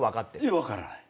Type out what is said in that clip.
いや分からない。